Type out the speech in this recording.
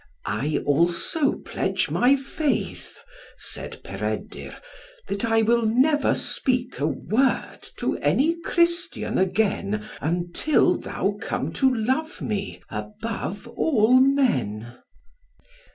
"I also pledge my faith," said Peredur, "that I will never speak a word to any Christian again, until thou come to love me above all men."